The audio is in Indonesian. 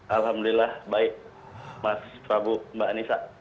alhamdulillah baik mas prabu mbak anissa